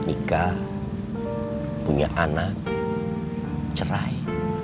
ika punya anak cerai